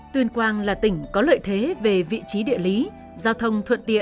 tuyên quang là tỉnh có lợi thế về vị trí địa lý giao thông thuận tiện